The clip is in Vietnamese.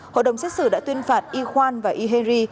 hội đồng xét xử đã tuyên phạt y khoan và y henry